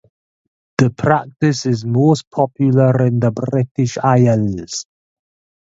The practice is most popular in the British Isles.